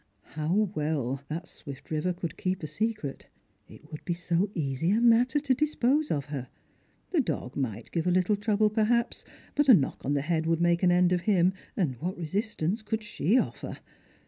How well that swift river could keep a secret ! It would be so easy a matter to dispose of her. The dog might give a little trouble, perhaps, but a knock on the head would make an end of him, and what resistance could site ofler